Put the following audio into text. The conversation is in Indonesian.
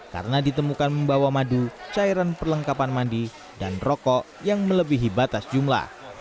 karena ditemukan membawa madu cairan perlengkapan mandi dan rokok yang melebihi batas jumlah